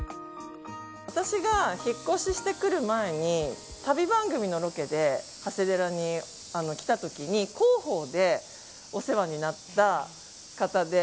私が引っ越ししてくる前に旅番組のロケで長谷寺に来た時に広報でお世話になった方で。